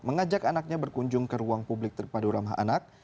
mengajak anaknya berkunjung ke ruang publik terpadu ramah anak